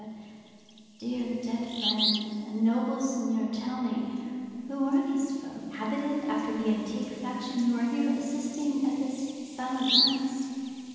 But, dear dead friend and noble seigneur, tell me, who are these folk, habited after the antique fashion, who are here assisting at this silent Mass?'